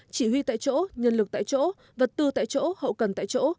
chỉ huy tại chỗ nhân lực tại chỗ vật tư tại chỗ hậu cần tại chỗ